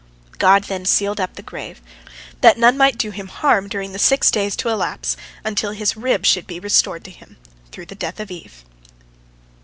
God then sealed up the grave, that none might do him harm during the six days to elapse until his rib should be restored to him through the death of Eve.